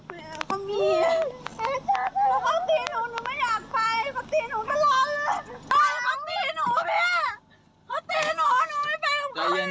เขาตีหนูหนูไม่อยากไป